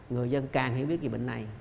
người dân càng hiểu biết về bệnh này